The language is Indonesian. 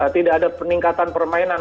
tidak ada peningkatan permainan